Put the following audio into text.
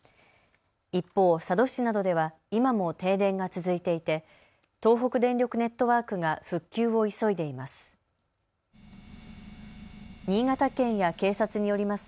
一方、佐渡市などでは今も停電が続いていて東北電力ネットワークが復旧を急いでいます。